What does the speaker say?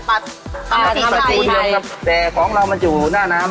ประตูเดียวครับแต่ของเรามันอยู่หน้าน้ำ